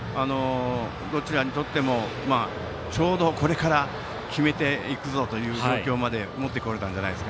どちらにとってもちょうどこれから決めていくぞという状況まで持ってこれたと思います。